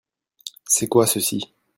C'est quoi ceux-ci ?